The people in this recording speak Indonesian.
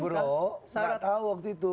bro nggak tahu waktu itu